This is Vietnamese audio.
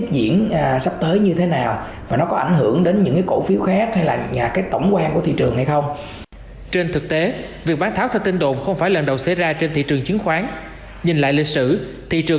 đi vào những ngành có khả năng ánh ảnh hưởng đến chỉ số